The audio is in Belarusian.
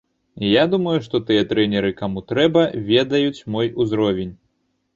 Я думаю, што тыя трэнеры, каму трэба, ведаюць мой узровень.